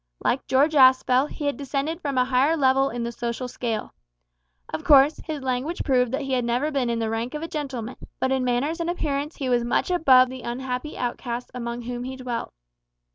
Like George Aspel, he had descended from a higher level in the social scale. Of course, his language proved that he had never been in the rank of a gentleman, but in manners and appearance he was much above the unhappy outcasts amongst whom he dwelt.